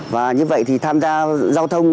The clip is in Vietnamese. và như vậy thì tham gia giao thông